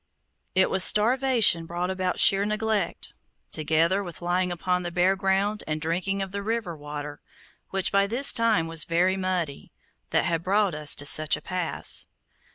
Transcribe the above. It was starvation brought about by sheer neglect, together with lying upon the bare ground and drinking of the river water, which by this time was very muddy, that had brought us to such a pass.